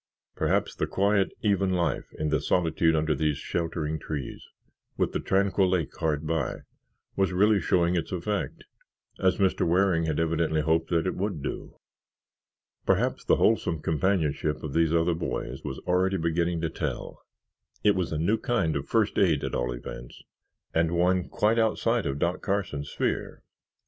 Perhaps the quiet, even life in the solitude under these sheltering trees, with the tranquil lake hard by, was really showing its effect, as Mr. Waring had evidently hoped that it would do; perhaps the wholesome companionship of these other boys was already beginning to tell; it was a new kind of First Aid at all events, and one quite outside of Doc Carson's sphere.